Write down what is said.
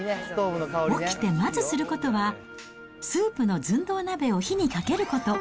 起きてまずすることは、スープの寸胴鍋を火にかけること。